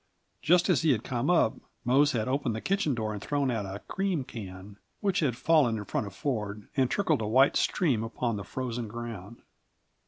Just as he had come up, Mose had opened the kitchen door and thrown out a cream can, which had fallen in front of Ford and trickled a white stream upon the frozen ground.